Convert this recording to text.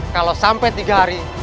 kalau sampai tiga hari